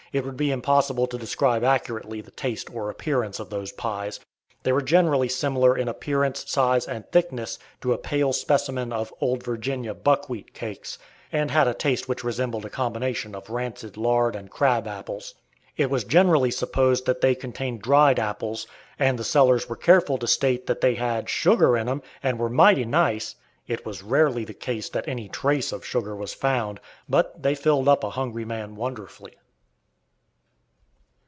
It would be impossible to describe accurately the taste or appearance of those pies. They were generally similar in appearance, size, and thickness to a pale specimen of "Old Virginia" buckwheat cakes, and had a taste which resembled a combination of rancid lard and crab apples. It was generally supposed that they contained dried apples, and the sellers were careful to state that they had "sugar in 'em" and were "mighty nice." It was rarely the case that any "trace" of sugar was found, but they filled up a hungry man wonderfully.